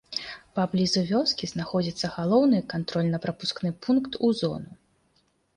Паблізу вёскі знаходзіцца галоўны кантрольна-прапускны пункт у зону.